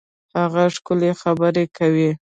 هغه ښکلي خبري کوي.